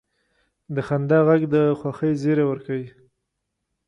د خندا ږغ د خوښۍ زیری ورکوي.